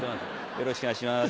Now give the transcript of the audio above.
よろしくお願いします